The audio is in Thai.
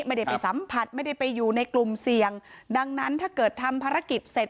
ไม่ได้ไปสัมผัสไม่ได้ไปอยู่ในกลุ่มเสี่ยงดังนั้นถ้าเกิดทำภารกิจเสร็จ